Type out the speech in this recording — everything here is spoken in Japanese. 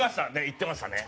言ってましたね。